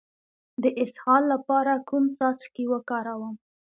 د اسهال لپاره کوم څاڅکي وکاروم؟